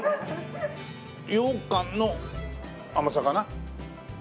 羊かんの甘さかな？